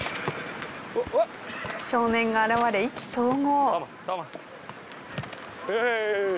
少年が現れ意気投合。